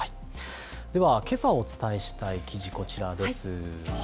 では、けさお伝えしたい記事、こちらです。